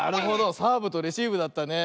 サーブとレシーブだったね。